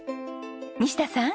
西田さん。